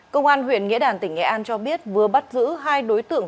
công an huyện nghĩa đàn tỉnh nghệ an cho biết vừa bắt giữ hai đối tượng